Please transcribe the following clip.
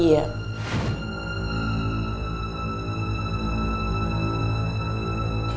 อเรนนี่โครงหน้าทำวภัย